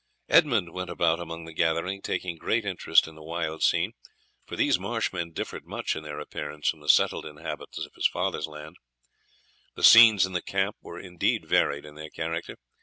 Edmund went about among the gathering taking great interest in the wild scene, for these marsh men differed much in their appearance from the settled inhabitants of his father's lands. The scenes in the camp were indeed varied in their character.